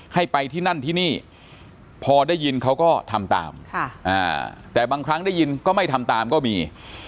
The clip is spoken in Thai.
ให้ไปที่นั่นที่นี่พอได้ยินเขาก็ทำตามแต่บางครั้งได้ยินก็ไม่ทำตามก็มี